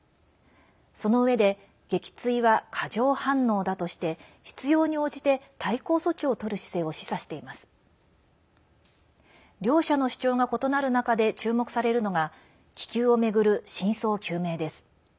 そのうえで撃墜は過剰反応だとして必要に応じて対抗措置をとる姿勢を示唆しています。両者の主張が異なる中で注目されるのが気球を巡る真相究明です。